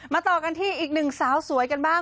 ต่อกันที่อีกหนึ่งสาวสวยกันบ้าง